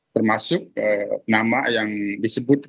termasuk nama yang disebut